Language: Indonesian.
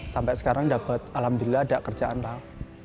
sampai sekarang dapat alhamdulillah ada kerjaan lah